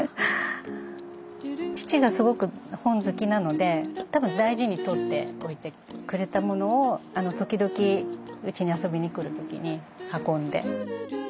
父がすごく本好きなので多分大事に取っておいてくれたものを時々うちに遊びに来る時に運んで。